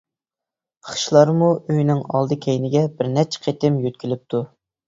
خىشلارمۇ ئۆينىڭ ئالدى-كەينىگە بىر نەچچە قېتىم يۆتكىلىپتۇ.